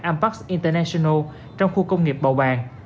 ampax international trong khu công nghiệp bầu bàng